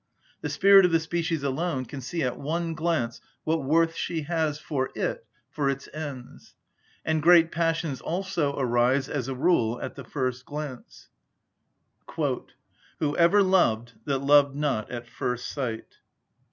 The spirit of the species alone can see at one glance what worth she has for it, for its ends. And great passions also arise, as a rule, at the first glance: "Who ever loved that loved not at first sight?"